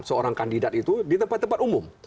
seorang kandidat itu di tempat tempat umum